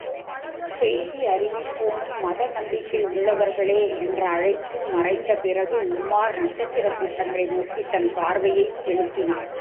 செய்தியறிவிப்போனும், மத நம்பிக்கையுள்ளவர்களே! என்ற அழைப்பும் மறைந்த பிறகு, உமார் நட்சத்திரக் கூட்டங்களை நோக்கித் தன் பார்வையைச் செலுத்தினான்.